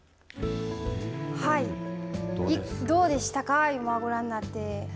はい、どうでしたか今、ご覧になって。